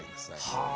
はあ。